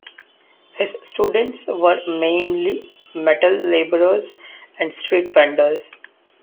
His students were mainly metal labourers and street vendors.